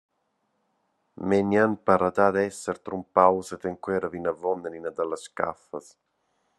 Menian para dad esser trumpaus ed enquera vinavon en ina dallas scaffas.